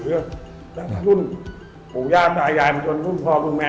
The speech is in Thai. หลุ่นนุ่นผู้ย่ามตายยายมันถึงหลุ่นพ่อลูกแม่